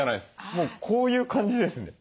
もうこういう感じですね。